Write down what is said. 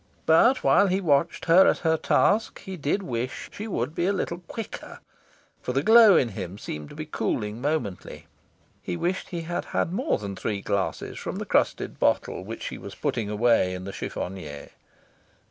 But, while he watched her at her task, he did wish she would be a little quicker. For the glow in him seemed to be cooling momently. He wished he had had more than three glasses from the crusted bottle which she was putting away into the chiffonier.